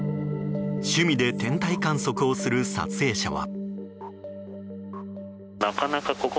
趣味で天体観測をする撮影者は。